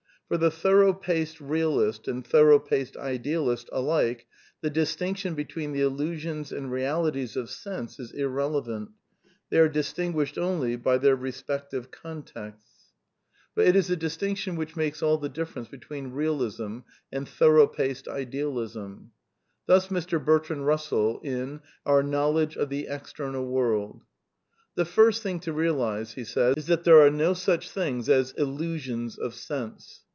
For the thorough paced realist and thorough paced idealist alike the distinction between the illusions and realities of sense*'^ is irrelevant. They are distinguished only b y their r » spective contexts. *""'■" 172 A DEFENCE OF IDEALISM But it IB a difltmction idiich makes all the difference between Bealism and thorongfa paced Idealism. Thna Mr. Bertrand Bnssell in Our Knowledge of the External World: —^ The first thin^ to realiEe is that there are no sach things as ^illnsions of sense.'